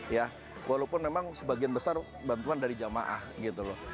ya walaupun memang sebagian besar bantuan dari jamaah gitu loh